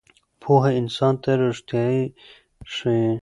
پوهه انسان ته ریښتیا ښیي.